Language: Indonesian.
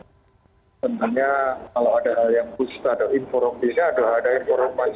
tentunya kalau ada yang buset ada informasi